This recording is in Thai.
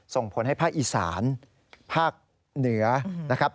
ส่งผลให้ภาคอีสานภาคเหนือนะครับ